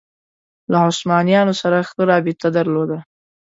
له عثمانیانو سره ښه رابطه درلوده